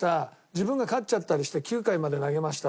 自分が勝っちゃったりして９回まで投げました。